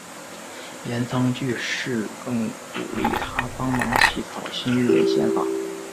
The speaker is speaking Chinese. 岩仓具视更鼓励他帮忙起草新日本宪法。